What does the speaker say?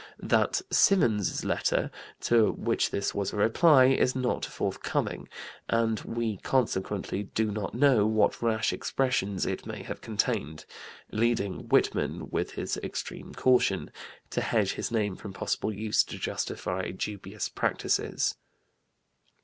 That Symonds's letter, to which this was a reply, is not forth coming; and we consequently do not know what rash expressions it may have contained leading Whitman (with his extreme caution) to hedge his name from possible use to justify dubious practices."